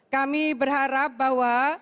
kami berharap bahwa